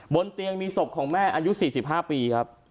บนเตียงมีศพของแม่อายุ๔๕ปีครับ